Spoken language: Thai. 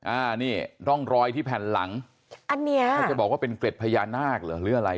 อันนี้ร่องรอยที่แผ่นหลังถ้าจะบอกว่าเป็นเกร็ดพญานาคหรืออะไร